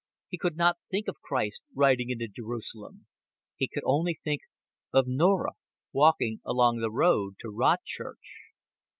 He could not think of Christ riding into Jerusalem; he could only think of Norah walking along the road to Rodchurch.